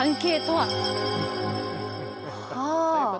はあ。